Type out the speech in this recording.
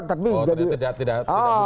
oh jadi tidak bukti ya